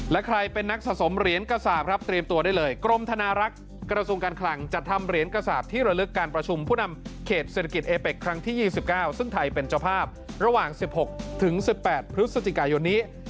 และใครเป็นนักสะสมเหรียญกษาปครับเตรียมตัวได้เลยกรมธนารักษ์กระทรวงการคลังจัดทำเหรียญกระสาปที่ระลึกการประชุมผู้นำเขตเศรษฐกิจเอเป็กครั้งที่๒๙ซึ่งไทยเป็นเจ้าภาพระหว่าง๑๖ถึง๑๘พฤศจิกายนนี้